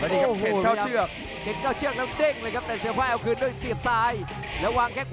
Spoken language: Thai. แล้วนี่ครับเห็นเก้าเชือก